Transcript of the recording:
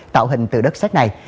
tạo hình từ đất sách này